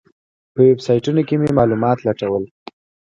په ویبسایټونو کې مې معلومات لټول.